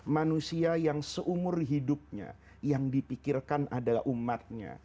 manusia yang seumur hidupnya yang dipikirkan adalah umatnya